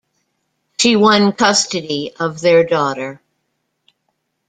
She won custody of their daughter.